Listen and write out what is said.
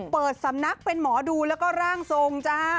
เปิดสำนักเป็นหมอดูแล้วก็ร่างทรงจ้า